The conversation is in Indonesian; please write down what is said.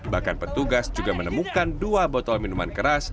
bahkan petugas juga menemukan dua botol minuman keras